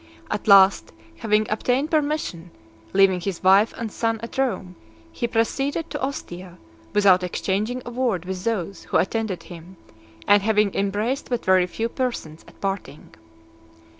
At last, having obtained permission, leaving his wife and son at Rome, he proceeded (200) to Ostia , without exchanging a word with those who attended him, and having embraced but very few persons at parting.